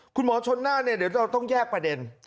คุณหมอชนน่านเนี่ยเดี๋ยวเราต้องแยกประเด็น